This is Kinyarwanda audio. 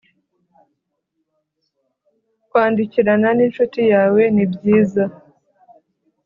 Kwandikirana n incuti yawe ni byiza